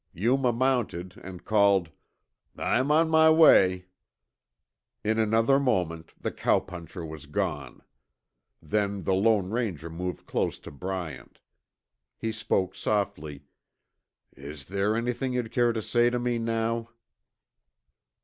Yuma mounted and called, "I'm on my way." In another moment the cowpuncher was gone. Then the Lone Ranger moved close to Bryant. He spoke softly, "Is there anything you'd care to say to me now?"